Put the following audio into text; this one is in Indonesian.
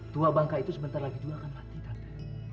tua bangka itu sebentar lagi juga akan mati tanda